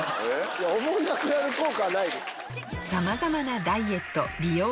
おもんなくなる効果はないです。